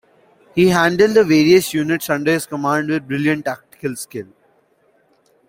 He handled the various units under his command with brilliant tactical skill.